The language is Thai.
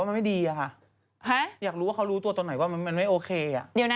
ตัดคอบด้วยมีตัดคอบเป็นสี่เหลี่ยมนะเดี๋ยวนะ